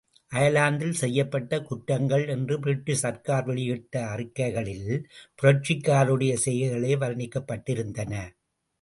அயர்லாந்தில் செய்யப்பட்ட குற்றங்கள் என்று பிரிட்டிஷ் சர்க்கார்வெளியிட்ட அறிக்கைகளில் புரட்சிக்காரருடைய செய்கைகளே வர்ணிக்கப்பட்டிருந்தன.